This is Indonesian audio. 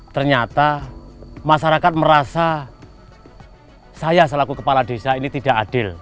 ternyata masyarakat merasa saya selaku kepala desa ini tidak adil